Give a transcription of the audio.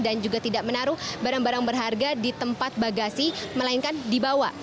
dan juga tidak menaruh barang barang berharga di tempat bagasi melainkan dibawa